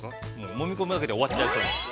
◆もみ込むだけで終わっちゃいそうなんで。